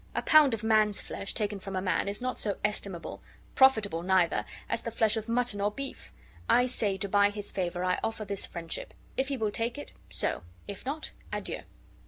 A pound of man's flesh, taken from a man, is not so estimable, profitable, neither, as the flesh of mutton or beef. I say, to buy his favor I offer this friendship: if he will take it, so; if not, adieu."